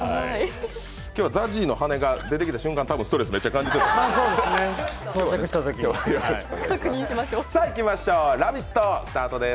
今日はＺＡＺＹの羽が出てきた瞬間、多分ストレスめっちゃ感じていると思います。